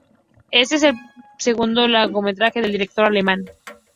Este es el segundo largometraje del director alemán.